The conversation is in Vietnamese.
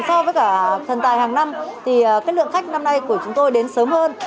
so với cả thần tài hàng năm thì cái lượng khách năm nay của chúng tôi đến sớm hơn